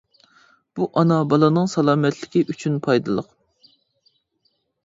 بۇ ئانا بالىنىڭ سالامەتلىكى ئۈچۈن پايدىلىق.